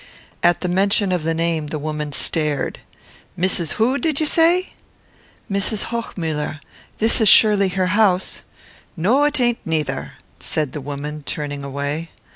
At the mention of the name the woman stared. "Mrs. who, did ye say?" "Mrs. Hochmuller. This is surely her house?" "No, it ain't neither," said the woman turning away.